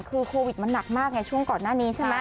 คือโควิดมันหนักมากไงช่วงก่อนหน้านี้ใช่ไหม